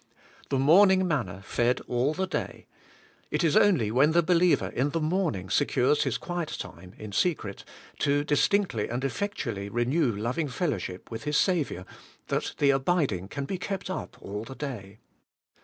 The morning manna fed all the day; it is only when the believer in the morning secures his quiet time in secret to distinctly and effectually renew loving fellowship with his Saviour, that the abiding can be kept up all the day.